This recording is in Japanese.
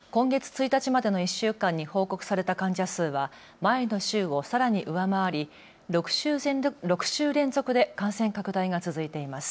東京都では今月１日までの１週間に報告された患者数は前の週をさらに上回り６週連続で感染拡大が続いています。